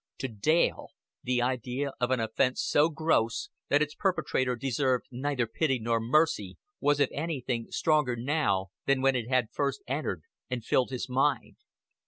To Dale the idea of an offense so gross that its perpetrator deserved neither pity nor mercy was if anything stronger now than when it had first entered and filled his mind.